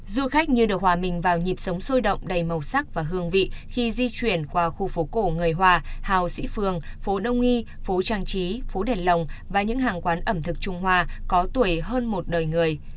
du khách như được hòa mình vào nhịp sống sôi động đầy màu sắc và hương vị khi di chuyển qua khu phố cổ người hòa hào sĩ phường phố đông y phố trang trí phố đèn lồng và những hàng quán ẩm thực trung hoa có tuổi hơn một đời người